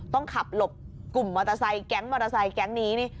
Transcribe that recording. ต้องขับหลบกลุ่มมอเตอร์ไซค์แก๊งมอเตอร์ไซค์แก๊งนี้นี่